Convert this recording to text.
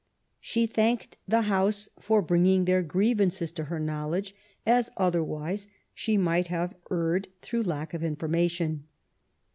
She thanked the House for bringing their grievances to her knowledge, as otherwise she might have erred through lack of information.